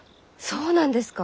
そうなんですか？